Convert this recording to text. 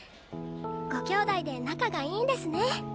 ご姉弟で仲がいいんですね。